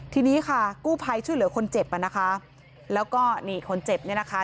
ทีนี้ค่ะกู้ภัยช่วยเหลือคนเจ็บอ่ะนะคะแล้วก็นี่คนเจ็บเนี่ยนะคะ